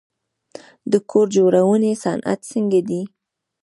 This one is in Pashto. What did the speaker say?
د کور جوړونې صنعت څنګه دی؟